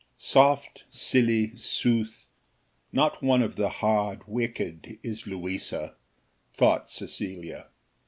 "Soft, silly, sooth not one of the hard, wicked, is Louisa," thought Cecilia.